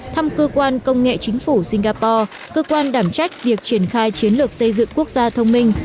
thăm cơ quan công nghệ chính phủ singapore cơ quan đảm trách việc triển khai chiến lược xây dựng quốc gia thông minh